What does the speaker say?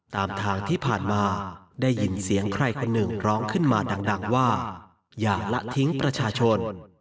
ตามทางที่ผ่านมาได้ยินเสียงใครคนหนึ่งร้องขึ้นมาดังว่าอย่าละทิ้งประชาชน